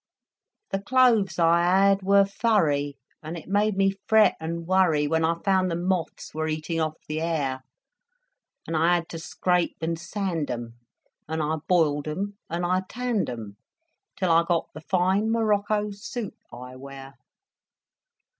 The clothes I had were furry. And it made me fret and worry When I found the moths were eating off the hair; And I had to scrape and sand 'em, And I boiled 'em and I tanned 'em, Till I got the fine morocco suit I wear.